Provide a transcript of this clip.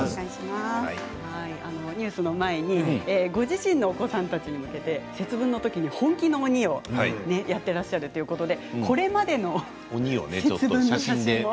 ニュースの前にご自身のお子さんたちに向けて節分のときに本気の鬼をやっていらっしゃるということでこれまでの節分を鬼を。